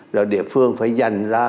rồi địa phương phải dành ra